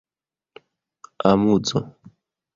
amuzo